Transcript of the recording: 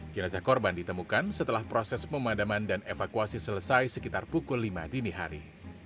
jenazah korban ditemukan setelah proses pemadaman dan evakuasi selesai sekitar pukul lima dini hari